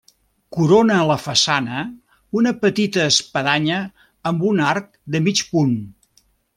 Corona la façana una petita espadanya amb un arc de mig punt.